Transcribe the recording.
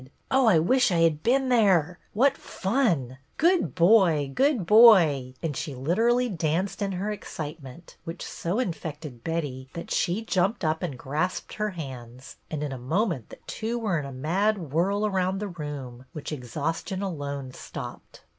Oh, I wish I had been there ! What fun ! Good boy, good boy !" and she literally danced in her excitement, which so infected Betty that she jumped up and grasped her hands, and in a moment the two were in a mad whirl around the room, which exhaustion alone stopped.